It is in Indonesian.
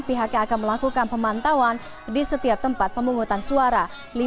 pihaknya akan melakukan pemantauan di setiap tempat pemungutan suara